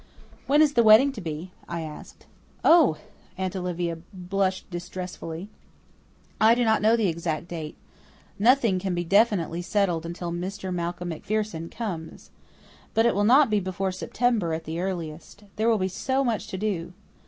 "When is the wedding to be?" I asked. "Oh!" Aunt Olivia blushed distressfully. "I do not know the exact date. Nothing can be definitely settled until Mr. Malcolm MacPherson comes. But it will not be before September, at the earliest. There will be so much to do.